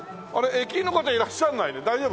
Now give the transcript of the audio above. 駅員の方いらっしゃらないね大丈夫かな？